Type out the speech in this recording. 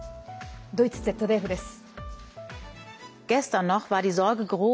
ドイツＺＤＦです。